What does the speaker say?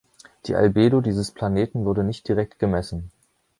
Die Albedo dieses Planeten wurde nicht direkt gemessen.